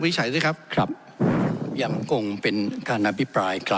ขออนุโปรประธานครับขออนุโปรประธานครับขออนุโปรประธานครับขออนุโปรประธานครับขออนุโปรประธานครับ